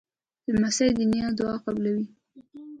لمسی د نیا دعا قبلوي.